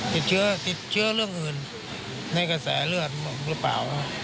ติดเชื้อเรื่องอื่นในกระแสเลือดหรือเปล่า